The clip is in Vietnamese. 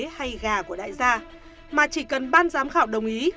hay gà của đại gia mà chỉ cần ban giám khảo đồng ý